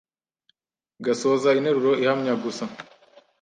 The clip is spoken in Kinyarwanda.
gasoza interuro ihamya gusa.